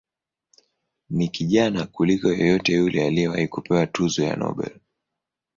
Ni kijana kuliko yeyote yule aliyewahi kupewa tuzo ya Nobel.